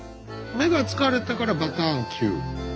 目が疲れたからバタンキュー。